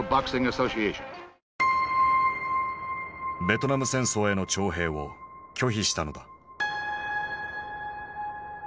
ベトナム戦争への徴兵を拒否したのだ。